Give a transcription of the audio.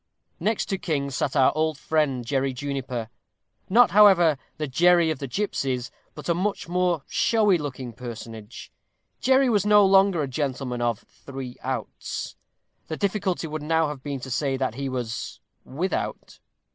Next to King sat our old friend Jerry Juniper; not, however, the Jerry of the gipsies, but a much more showy looking personage. Jerry was no longer a gentleman of "three outs" the difficulty would now have been to say what he was "without."